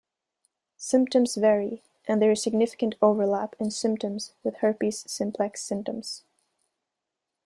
Symptoms vary, and there is significant overlap in symptoms with herpes-simplex symptoms.